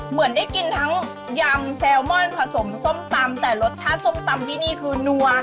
เหมือนได้กินทั้งยำแซลมอนผสมส้มตำแต่รสชาติส้มตำที่นี่คือนัว